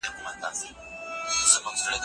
دا موضوع د ټولني لپاره خورا ګټوره ده.